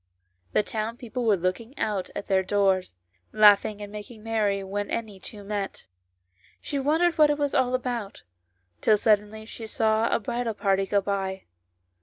The townspeople were looking out at their doors, laughing and making merry when any two met; she wondered what it was all about, till suddenly she saw a bridal party go by.